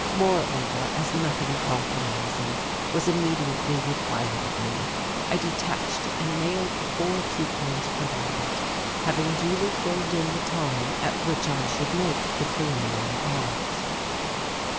Moreover, as nothing compromising was immediately required of me, I detached and mailed the four coupons provided, having duly filled in the time at which I should make the preliminary calls.